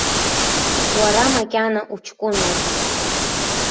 Уара макьана уҷкәыноуп.